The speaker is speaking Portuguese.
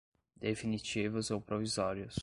definitivos ou provisórios.